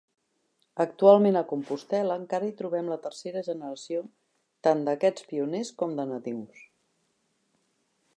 Actualment a Compostela encara hi trobem la tercera generació tant d'aquests pioners com de nadius.